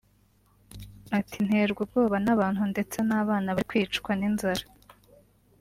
Ati”Nterwa ubwoba n’abantu ndetse n’abana bari kwicwa n’inzara